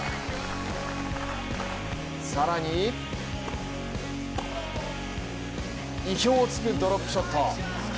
更に意表をつくドロップショット。